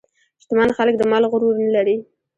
شتمن خلک د مال غرور نه لري.